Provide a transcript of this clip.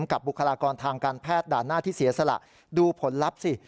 บุคลากรทางการแพทย์ด่านหน้าที่เสียสละดูผลลัพธ์สิ